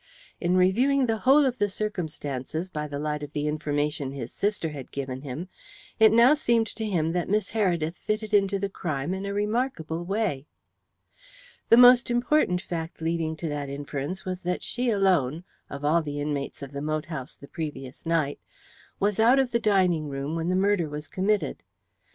In reviewing the whole of the circumstances by the light of the information his sister had given him, it now seemed to him that Miss Heredith fitted into the crime in a remarkable way. The most important fact leading to that inference was that she alone, of all the inmates of the moat house the previous night, was out of the dining room when the murder was committed.